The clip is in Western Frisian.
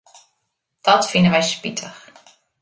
Dat fine wy spitich.